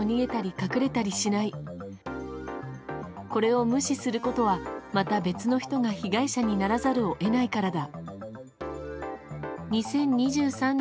これを無視することはまた別の人が被害者にならざるを得ないからだ。